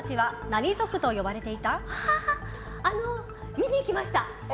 見に行きました！